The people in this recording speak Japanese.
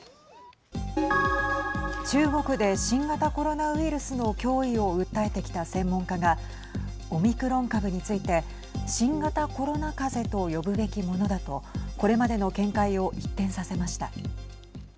中国で新型コロナウイルスの脅威を訴えてきた専門家がオミクロン株について新型コロナかぜと呼ぶべきものだとこれまでの見解を一転させました。